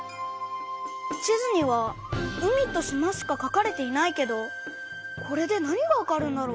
地図には海と島しかかかれていないけどこれで何がわかるんだろう？